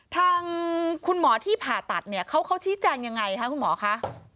ทางคุณหมอที่ผ่าตัดเนี่ยเขาชี้แจงยังไงคะคุณหมอคะ